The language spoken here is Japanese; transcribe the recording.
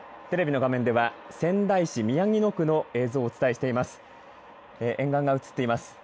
テレビの画面では仙台市宮城野区の映像をお伝えしています。